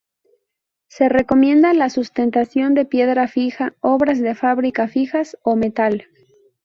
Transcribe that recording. Se recomienda la sustentación de piedra fija, obras de fábrica fijas o metal.